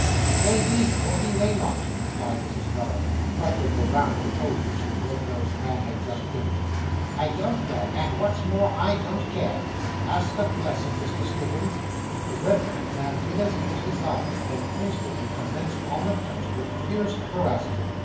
'He may be, or he may not,' replied Mrs. Weller, buttering the round of toast which the red nosed man had just finished. 'I don't know, and, what's more, I don't care. Ask a blessin', Mr. Stiggins.' The red nosed man did as he was desired, and instantly commenced on the toast with fierce voracity.